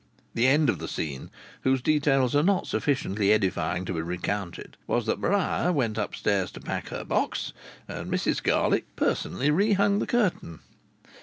The end of the scene, whose details are not sufficiently edifying to be recounted, was that Maria went upstairs to pack her box, and Mrs Garlick personally re hung the curtain.